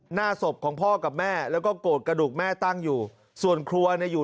หน้าศพของพ่อกับแม่แล้วก็โกรธกระดูกแม่ตั้งอยู่ส่วนครัวเนี่ยอยู่